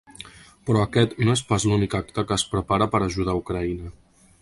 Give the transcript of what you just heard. Però aquest no és pas l’únic acte que es prepara per ajudar Ucraïna.